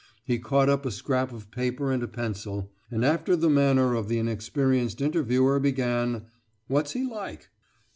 He caught up a scrap of paper and a pencil, and, after the manner of the inexperienced interviewer, began: "What's he like?"